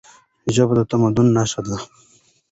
ژبه د تمدن نښه ده.